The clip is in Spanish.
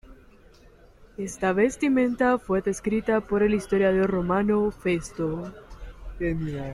Esta vestimenta fue descrita por el historiador romano Festo.